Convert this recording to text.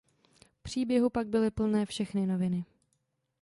Příběhu pak byly plné všechny noviny.